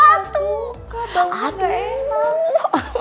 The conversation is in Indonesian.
ya udah suka bau jengol gak enak